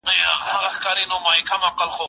زه قلم استعمالوم کړی دی!.